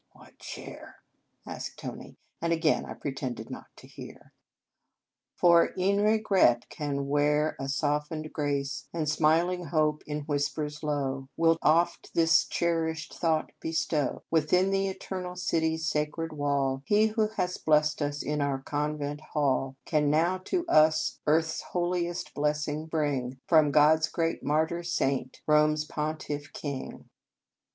"What chair?" asked Tony, and again I pretended not to hear. * For e en regret can wear a softened grace, And smiling hope in whispers low Will oft this cherished thought bestow : Within the Eternal City s sacred wall, He who has blest us in our Convent hall Can now to us earth s holiest blessing bring From God s great martyr saint, Rome s pontiff king."